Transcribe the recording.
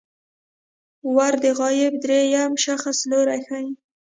ور د غایب دریم شخص لوری ښيي.